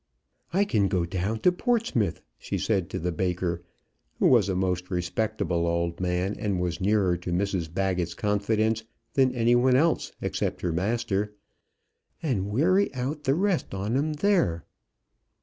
"I can go down to Portsmouth," she said to the baker, who was a most respectable old man, and was nearer to Mrs Baggett's confidence than any one else except her master, "and weary out the rest on 'em there."